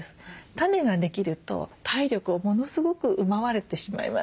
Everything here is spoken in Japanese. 種ができると体力をものすごく奪われてしまいます。